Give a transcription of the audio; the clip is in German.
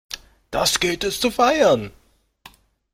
Das gilt es zu feiern!